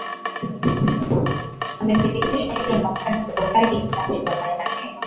amethibitisha hilo na kusema serikali imwache baba yake